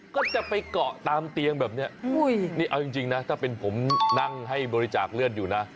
ก็จะไปเกาะตามเตียงแบบนี้นี่เอาจริงนะถ้าเป็นผมนั่งให้บริจาคเลือดอยู่นะ